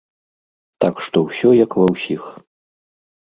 Так што ўсё як ва ўсіх.